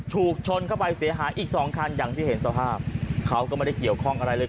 ถูกชนเข้าไปเสียหายอีกสองคันอย่างที่เห็นสภาพเขาก็ไม่ได้เกี่ยวข้องอะไรเลย